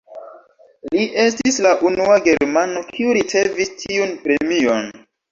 Li estis la unua germano, kiu ricevis tiun premion.